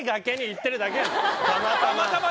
たまたま。